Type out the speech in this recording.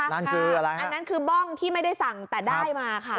อันนั้นคืออะไรอันนั้นคือบ้องที่ไม่ได้สั่งแต่ได้มาค่ะ